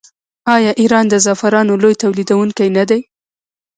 آیا ایران د زعفرانو لوی تولیدونکی نه دی؟